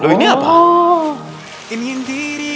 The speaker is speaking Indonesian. bukan semua orang pade